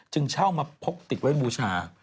เช่ามาพกติดไว้บูชา